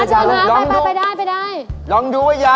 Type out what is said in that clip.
โอ้โฮน้ำมาเลยค่ะ